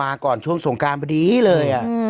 มาก่อนช่วงสงกรามพอดีเลยอ่ะ